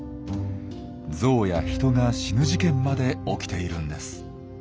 ゾウや人が死ぬ事件まで起きているんです。